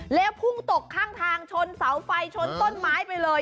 แล้วพุ่งตกข้างทางชนเสาไฟชนต้นไม้ไปเลย